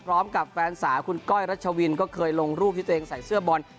พร้อมกับแฟนสาวคุณก้อยรัชวินก็เคยลงรูปที่ตัวเองใส่เสื้อบอล